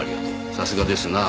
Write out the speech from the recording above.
さすがですなあ